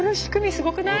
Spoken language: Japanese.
すごくない？